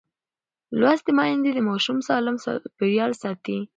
لوستې میندې د ماشوم سالم چاپېریال ساتي.